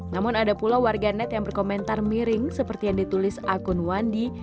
namun ada pula warganet yang berkomentar miring seperti yang ditulis akun wandi